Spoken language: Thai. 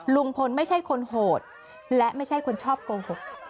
ลุงพลไม่ใช่คนโหดและไม่ใช่คนชอบโกหก